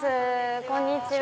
こんにちは。